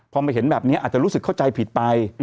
พอมาเห็นแบบนี้อาจจะรู้สึกเข้าใจผิดไป